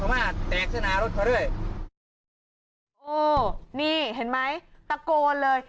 โอ้โหนี่เห็นไหมตะโกนเลย